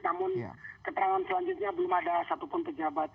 namun keterangan selanjutnya belum ada satupun pejabat